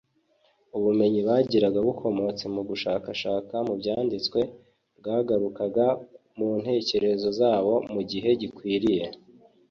ubumenyi bagiraga bukomotse mu gushakashaka mu byanditswe, bwagarukaga mu ntekerezo zabo mu gihe gikwiriye